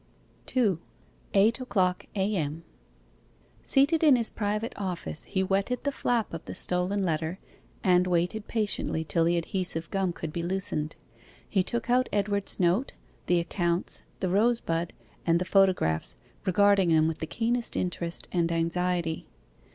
2. EIGHT O'CLOCK A.M. Seated in his private office he wetted the flap of the stolen letter, and waited patiently till the adhesive gum could be loosened. He took out Edward's note, the accounts, the rosebud, and the photographs, regarding them with the keenest interest and anxiety.